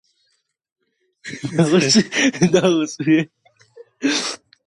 غول د خوب د کموالي ستړی وي.